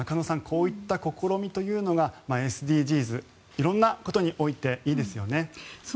こういった試みというのがＳＤＧｓ、色んなことにおいていいですよね。